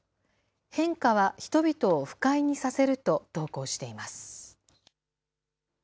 変化は人々を不快にさせると投稿しています。